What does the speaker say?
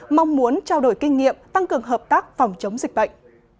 mong muốn trao đổi kinh nghiệm tăng cường hợp tác phòng chống dịch bệnh